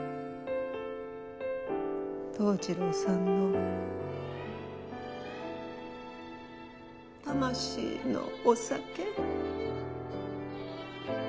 桃次郎さんの魂のお酒。